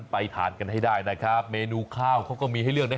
ไปทานกันให้ได้นะครับเมนูข้าวเขาก็มีให้เลือกนะ